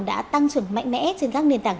đã tăng trưởng mạnh mẽ trên các nền tảng